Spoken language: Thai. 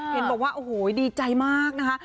เห็นบอกว่าโอ้โหดีใจมากนะคะ